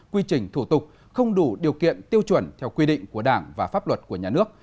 quy trình thủ tục không đủ điều kiện tiêu chuẩn theo quy định của đảng và pháp luật của nhà nước